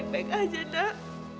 kamu baik baik aja nak